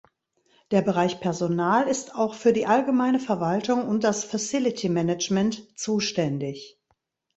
Der Bereich Personal ist auch für die allgemeine Verwaltung und das Facilitymanagement zuständig.